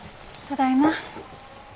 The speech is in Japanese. ただいま。